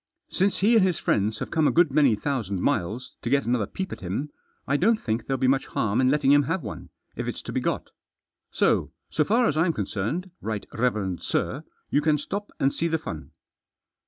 Since he and his friends have come a good many thousand miles to get another peep at him, I don't think there'll be much harm in letting him have one if it's to be got. So, so far as I'm con cerned, right reverend sir, you can stop and see the fun."